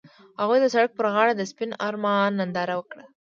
هغوی د سړک پر غاړه د سپین آرمان ننداره وکړه.